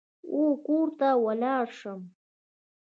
او کور ته ولاړ شم.